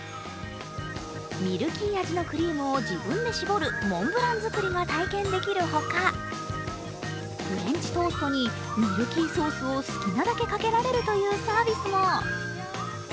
ミルキー味のクリームを自分で搾るモンブラン作りが体験できるほかフレンチトーストにミルキーソースを好きなだけかけられるというサービスも。